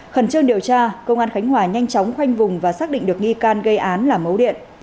khẩn trương điều tra công an khánh hòa nhanh chóng khoanh vùng và xác định được nghi can gây án là mấu điện